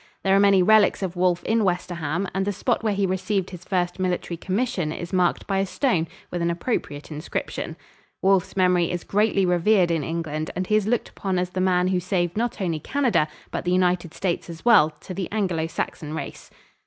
There are many relics of Wolfe in Westerham, and the spot where he received his first military commission is marked by a stone with an appropriate inscription. Wolfe's memory is greatly revered in England and he is looked upon as the man who saved not only Canada, but the United States as well, to the Anglo Saxon race.